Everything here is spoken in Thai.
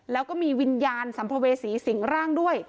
แล้วก็มีวิญญาณสัมภเวษีสิงร่างด้วย